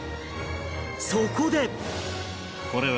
そこで